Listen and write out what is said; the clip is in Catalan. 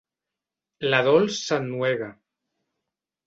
La Dols s'ennuega.